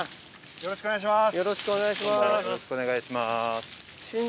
よろしくお願いします。